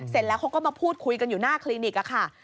เสร็จแล้วเขาก็มาพูดคุยกันอยู่หน้าคลินิกค่ะ